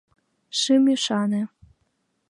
Шым ӱшане.